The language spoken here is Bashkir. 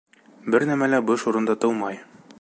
Бер нәмә лә буш урында тыумай.